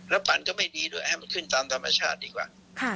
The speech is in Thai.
แล้วปันก็ไม่ดีด้วยแค่คิดตามธรรมชาติดีกว่า